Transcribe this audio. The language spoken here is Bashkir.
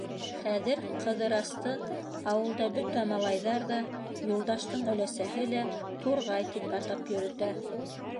Хәҙер Ҡыҙырасты ауылда бөтә малайҙар ҙа, Юлдаштың өләсәһе лә «Турғай» тип атап йөрөтә.